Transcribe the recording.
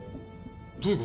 どういう事？